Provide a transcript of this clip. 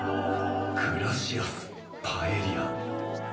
グラシアスパエリア